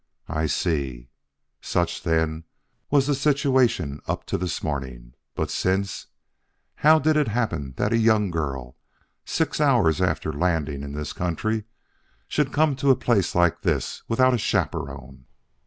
"I see. Such, then, was the situation up to this morning. But since? How did it happen that a young girl, six hours after landing in this country, should come to a place like this without a chaperon?"